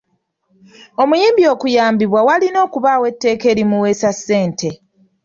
Omuyimbi okuyambibwa walina okubaawo etteeka erimuweesa ssente.